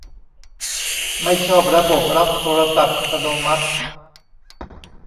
ไม่ชอบระบบรับโทรศัพท์อัตโนมัติ